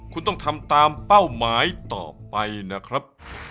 คุณต้องทำตามเป้าหมายต่อไปนะครับ